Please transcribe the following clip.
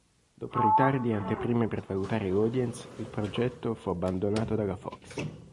Dopo ritardi e anteprime per valutare l'audience, il progetto fu abbandonato dalla Fox.